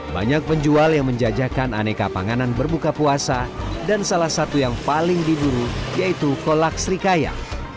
banyak penjual yang menjajakan aneka panganan berbuka puasa dan salah satu yang paling diburu yaitu kolak srikaya